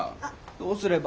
どうすれば？